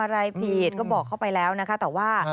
มันเกิดเหตุเป็นเหตุที่บ้านกลัว